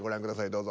どうぞ。